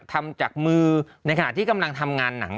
ทำจากมือในขณะที่กำลังทำงานหนัง